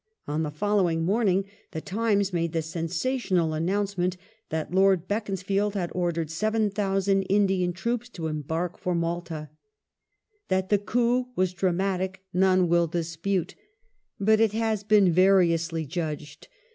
On the following morning The Times made » the sensational announcement that Lord Beaconsfield had ordered f 7,000 Indian troops to embark for Malta» That the coup was dramatic none will dispute: but it has been variously judged.